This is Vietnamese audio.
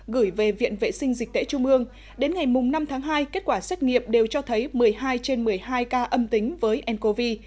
gửi về viện vệ sinh dịch tễ trung ương đến ngày năm tháng hai kết quả xét nghiệm đều cho thấy một mươi hai trên một mươi hai ca âm tính với ncov